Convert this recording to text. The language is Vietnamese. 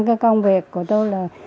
cái công việc của tôi là